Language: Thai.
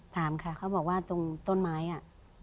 ถามค่ะเขาบอกว่าตรงต้นไม้อ่ะ